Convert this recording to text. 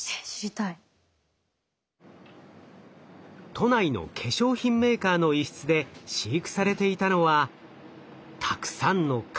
都内の化粧品メーカーの一室で飼育されていたのはたくさんの蚊！